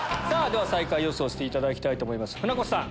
最下位予想していただきたいと思います船越さん。